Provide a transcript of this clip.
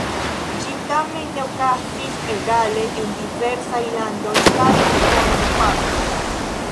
Ĝi tamen ne okazis egale en diversaj landoj kaj mondopartoj.